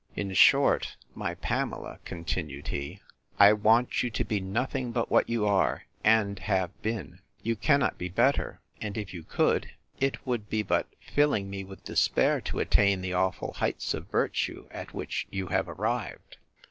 In short, my Pamela, continued he, I want you to be nothing but what you are, and have been. You cannot be better; and if you could, it would be but filling me with despair to attain the awful heights of virtue at which you have arrived.